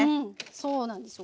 そうなんですよ。